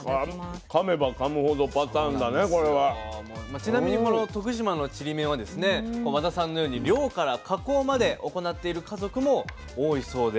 ちなみにこの徳島のちりめんはですね和田さんのように漁から加工まで行っている家族も多いそうで。